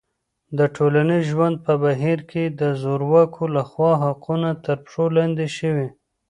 د ټولنیز ژوند په بهیر کې د زورواکو لخوا حقونه تر پښو لاندې شوي.